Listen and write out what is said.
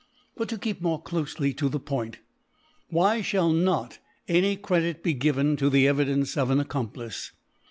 But to keep more clofely to the Point Why ftiali not any Credit be given to the Eyidence of an Accomplice